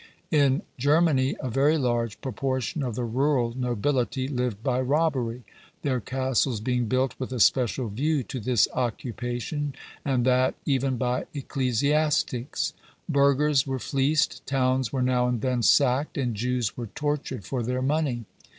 " In Germany a very large proportion of the rural nobility lived by robbery;" their castles being built with a special view to this occupation, and that even by ecclesiastics*. Burghers were fleeced, towns were now and then sacked, and Jews were tortured for their money.